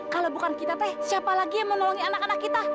kalau bukan kita teh siapa lagi yang menolongi anak anak kita